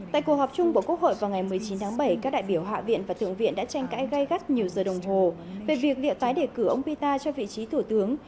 tại cuộc họp chung của quốc hội vào ngày một mươi chín tháng bảy các đại biểu hạ viện và thượng viện đã tranh cãi gây gắt nhiều giờ đồng hồ về việc liệu tái đề cử ông pita cho vị trí thủ tướng